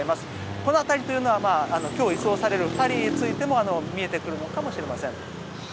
この辺りというのは今日、移送される２人についても見えてくるのかもしれません。